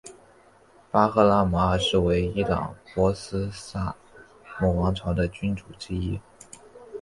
巴赫拉姆二世为伊朗波斯萨珊王朝的君主之一。